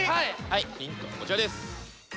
はいヒントはこちらです。